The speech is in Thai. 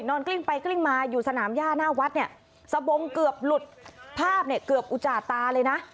กลิ้งไปกลิ้งมาอยู่สนามย่าหน้าวัดเนี่ยสะบงเกือบหลุดภาพเนี่ยเกือบอุจจาตาเลยนะ